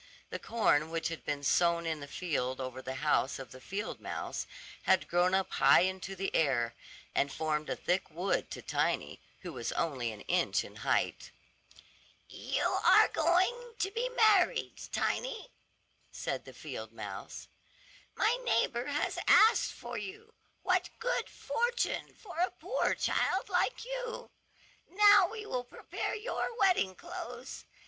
The corn which had been sown in the field over the house of the field mouse had grown up high into the air, and formed a thick wood to Tiny, who was only an inch in height. "You are going to be married, Tiny," said the field mouse. "My neighbor has asked for you. What good fortune for a poor child like you. Now we will prepare your wedding clothes.